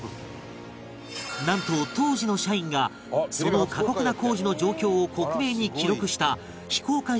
なんと当時の社員がその過酷な工事の状況を克明に記録した非公開